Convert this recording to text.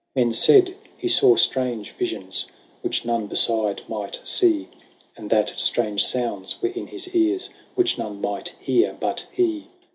Men said he saw strange visions Which none beside might see ; And that strange sounds were in his ears Which none might hear but he.